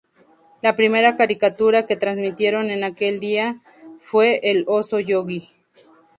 La primera caricatura que transmitieron en aquel día fue "El oso Yogi".